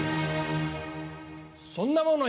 そんなもの